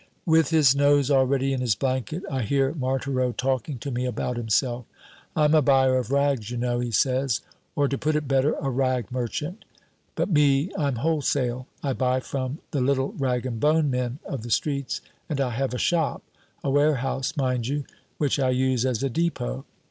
With his nose already in his blanket, I hear Marthereau talking to me about himself: "I'm a buyer of rags, you know," he says, "or to put it better, a rag merchant. But me, I'm wholesale; I buy from the little rag and bone men of the streets, and I have a shop a warehouse mind you! which I use as a depot.